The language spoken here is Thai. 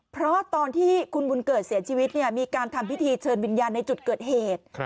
เพราะตอนที่คุณบุญเกิดเสียชีวิตมีการทำพิธีเชิญวิญญาณในจุดเกิดเหตุ